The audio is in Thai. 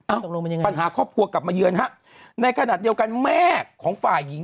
อ้าวปัญหาครอบครัวกลับมาเยือนครับในขณะเดียวกันแม่ของฝ่ายหญิง